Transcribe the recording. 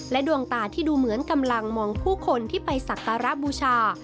ดวงตาที่ดูเหมือนกำลังมองผู้คนที่ไปสักการะบูชา